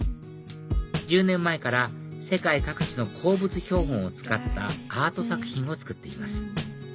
１０年前から世界各地の鉱物標本を使ったアート作品を作っています